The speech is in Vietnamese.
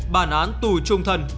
bản án tù trung thân